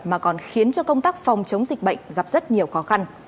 mà còn khiến cho công tác phòng chống dịch bệnh gặp rất nhiều khó khăn